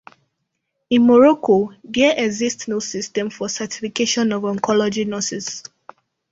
In Morocco, there exists no system for certification of oncology nurses.